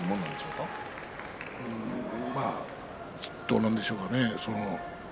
さあどうなんでしょうかね。